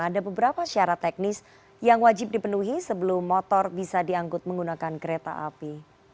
ada beberapa syarat teknis yang wajib dipenuhi sebelum motor bisa diangkut menggunakan kereta api